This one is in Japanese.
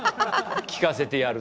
聴かせてやると。